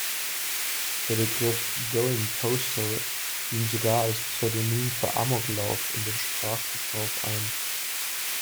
Der Begriff „Going postal“ ging sogar als Pseudonym für Amoklauf in den Sprachgebrauch ein.